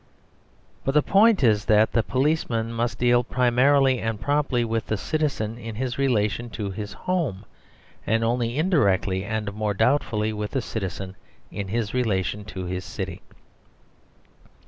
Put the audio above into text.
But the point is that the policeman must deal primarily and promptly with the citizen in his relation to his home, and only indirectly and more doubtfully with the citizen in his relation to his city.